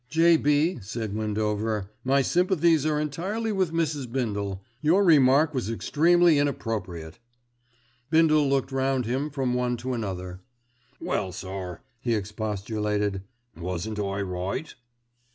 "J.B.," said Windover. "My sympathies are entirely with Mrs. Bindle. Your remark was extremely inappropriate." Bindle looked round him from one to another. "Well, sir," he expostulated, "wasn't I right?"